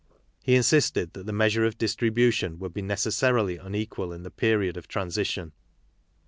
He insisted that the measure of distribution would be neces sarily unequal in the period of transition.